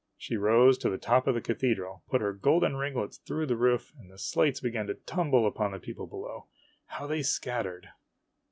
She rose to the top of the cathedral, put her golden ringlets through the roof, and the slates began to tumble upon the people below. How they scattered